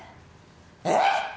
えっ！？